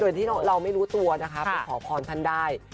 โดยที่เราไม่รู้ตัวนะคะไปขอพรท่านได้